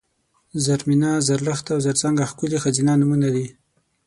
زرمېنه ، زرلښته او زرڅانګه ښکلي ښځینه نومونه دي